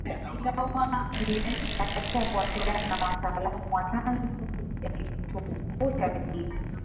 inatakiwa kuwasiliana na wataalam wa tanzu ya kituo kikuu cha redio